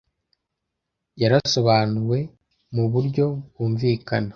yarasobanuwe mu buryo bwumvikana